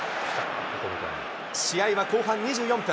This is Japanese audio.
試合は後半２４分。